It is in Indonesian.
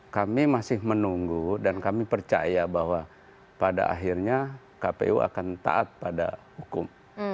kami masih menunggu dan kami percaya bahwa pada akhirnya kpu akan taat pada hukum